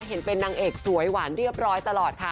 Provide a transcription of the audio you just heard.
เห็นเป็นนางเอกสวยหวานเรียบร้อยตลอดค่ะ